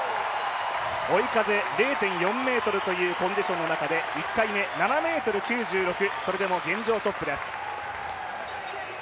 追い風０．４ｍというコンディションの中で１回目、７ｍ９６、それでも現状トップです。